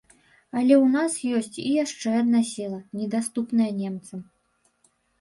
Але ў нас ёсць і яшчэ адна сіла, недаступная немцам.